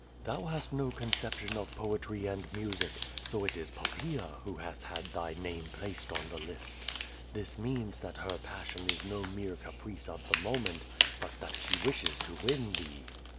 Thou hast no conce]>tion of poetry and music. So it is Pop ])aca who hath had thy name placed on the list. This means tliat her passion is no mere caprice of the moment, but that she wishes to win thee."